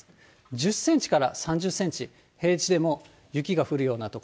１０センチから３０センチ、平地でも雪が降るような所。